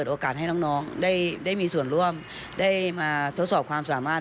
ได้มาทดสอบความสามารถ